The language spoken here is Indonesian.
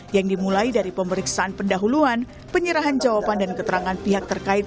yang dimulai dari pemeriksaan pendahuluan penyerahan jawaban dan keterangan pihak terkait